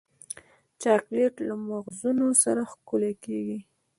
چاکلېټ له مغزونو سره ښکلی کېږي.